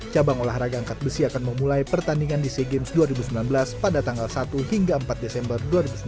cabang olahraga angkat besi akan memulai pertandingan di sea games dua ribu sembilan belas pada tanggal satu hingga empat desember dua ribu sembilan belas